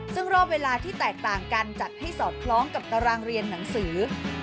ซึ่งรอบเวลาที่แตกต่างกันจัดให้สอดคล้องกับตารางเรียนหนังสือ